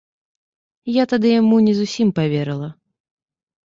Я тады яму не зусім паверыла.